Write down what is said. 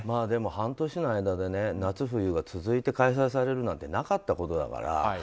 でも、半年の間で夏、冬が続いて開催されるなんてなかったことだから。